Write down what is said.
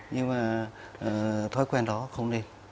nhưng mà thói quen đó không nên